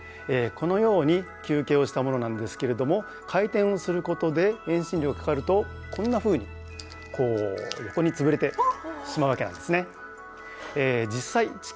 このように球形をしたものなんですけれども回転をすることで遠心力がかかるとこんなふうにこう横につぶれてしまうわけなんですね。